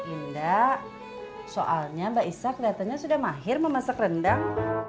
enggak soalnya mbak isa kelihatannya sudah mahir memasak rendang